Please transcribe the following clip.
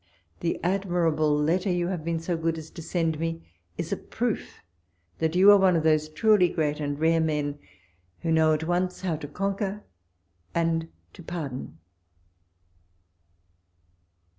The admirable letter you have been so good as to send me, is a proof that you are one of those truly great and rare men who know at once how to conquer and to pardon.